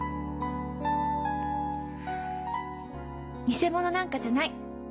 偽者なんかじゃない！